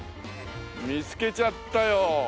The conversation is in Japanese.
見つけちゃったよ